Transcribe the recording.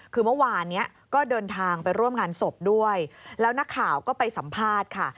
คือเมื่อวานเนี้ยก็เดินทางไปร่วมงานศพด้วยแล้วนักข่าวก็ไปสัมภาษณ์ค่ะ